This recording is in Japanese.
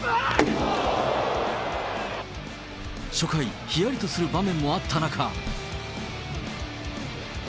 初回、ひやりとする場面もあった中。